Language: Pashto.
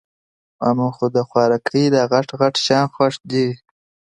وام خو د خوارکي داغټ غټ شیان خوښ دي